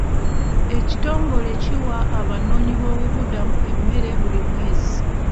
Ekitongole kiwa abanoonyi b'obubuddamu emmere buli mwezi.